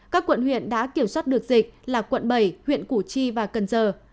các quận huyện đã kiểm soát được dịch là quận bảy huyện củ chi và cần giờ